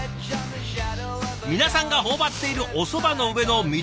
皆さんが頬張っているおそばの上の緑色の野菜。